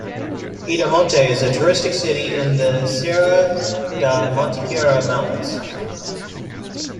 Itamonte is a touristic city in the Serra da Mantiqueira mountains.